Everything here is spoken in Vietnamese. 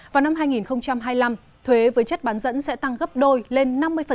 vào năm hai nghìn hai mươi năm thuế với chất bán dẫn sẽ tăng gấp đôi lên năm mươi